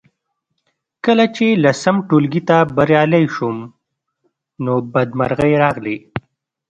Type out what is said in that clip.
کله چې لسم ټولګي ته بریالۍ شوم نو بدمرغۍ راغلې